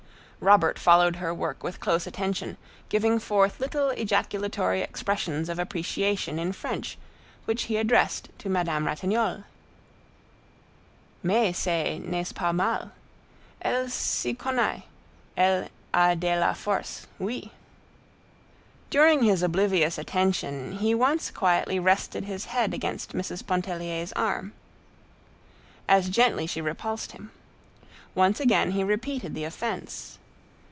Robert followed her work with close attention, giving forth little ejaculatory expressions of appreciation in French, which he addressed to Madame Ratignolle. "Mais ce n'est pas mal! Elle s'y connait, elle a de la force, oui." During his oblivious attention he once quietly rested his head against Mrs. Pontellier's arm. As gently she repulsed him. Once again he repeated the offense.